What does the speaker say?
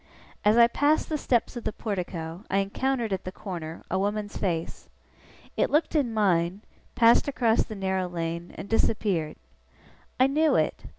As I passed the steps of the portico, I encountered, at the corner, a woman's face. It looked in mine, passed across the narrow lane, and disappeared. I knew it.